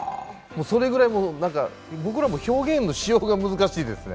それぐらい、僕らも表現のしようが難しいですね。